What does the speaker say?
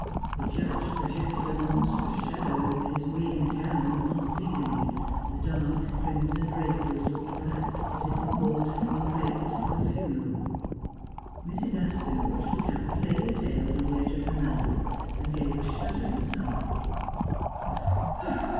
The judge projected a monstrous shadow of his wig and gown upon the ceiling. The dark crimson draperies looked black, as if the court had been draped for a funeral. Mrs. Aspinall shook out the sable tails on the edge of her mantle and gave a shuddering sigh.